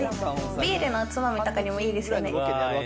ビールのおつまみとかにもいいですよね。